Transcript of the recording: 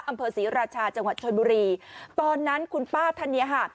อำเภอศรีราชาจังหวัดชนบุรีตอนนั้นคุณป้าท่านเนี้ยค่ะ